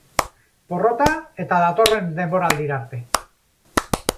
Porrota eta datorren denboraldira arte.